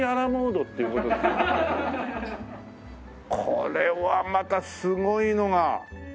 これはまたすごいのが。